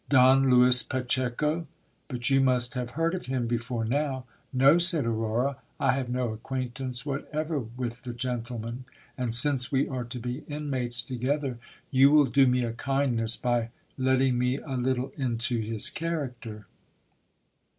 Don Lewis Pacheco ! But you must have heard of him before now. No, said Aurora, T have no acquaintance whatever with the gentleman ; and since we are to be inmates together, you will do me a kindness by letting me a little into his character.